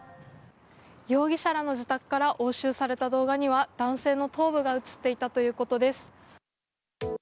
容疑者らの自宅から押収された動画には男性の頭部が映っていたということです。